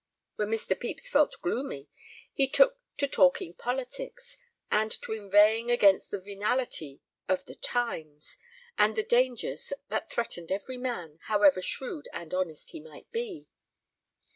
When Mr. Pepys felt gloomy he took to talking politics, and to inveighing against the venality of the times, and the dangers that threatened every man, however shrewd and honest he might be.